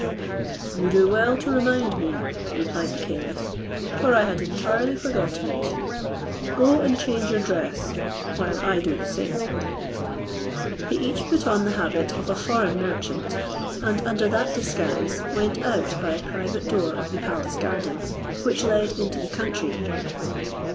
"You do well to remind me," replied the caliph, "for I had entirely forgotten it; go and change your dress, while I do the same." They each put on the habit of a foreign merchant, and under that disguise went out by a private door of the palace garden, which led into the country.